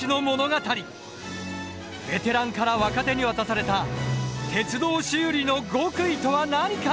ベテランから若手に渡された鉄道修理の極意とは何か？